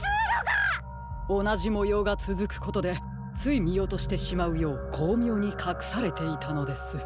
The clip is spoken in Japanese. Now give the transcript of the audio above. おなじもようがつづくことでついみおとしてしまうようこうみょうにかくされていたのです。